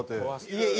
はい。